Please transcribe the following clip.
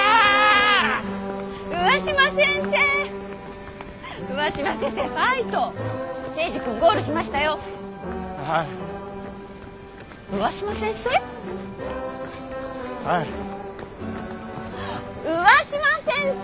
上嶋先生！